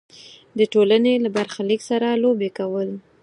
د ټولنې له برخلیک سره لوبې کول.